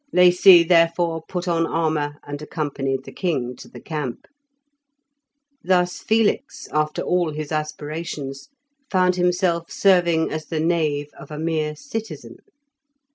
Lacy, therefore, put on armour, and accompanied the king to the camp. Thus Felix, after all his aspirations, found himself serving as the knave of a mere citizen.